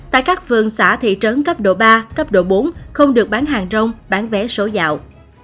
tại các phường xã thị trấn cấp độ ba cấp độ bốn không được bán hàng rong bán vé số dạo